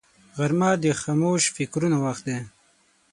غرمه د خاموش فکرونو وخت دی